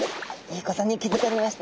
いいことに気づかれました。